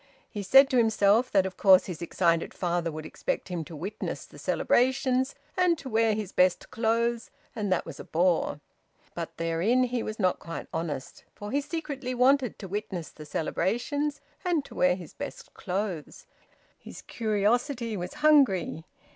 He said to himself that of course his excited father would expect him to witness the celebrations and to wear his best clothes, and that was a bore. But therein he was not quite honest. For he secretly wanted to witness the celebrations and to wear his best clothes. His curiosity was hungry.